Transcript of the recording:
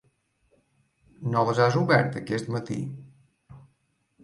No les has obert aquest matí?